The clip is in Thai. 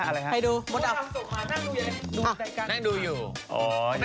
นั่งดูอยู่